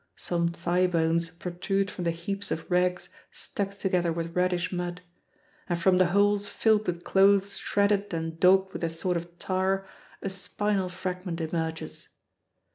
Some thigh bones protrude from the heaps of rags stuck together with reddish mud; and from the holes filled with clothes shredded and daubed with a sort of tar, a spinal fragment emerges.